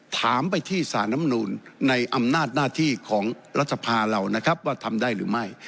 ถามไปที่สารน้ำนูลในอำนาจหน้าที่ของรัฐสภาเรานะครับว่าทำได้หรือไม่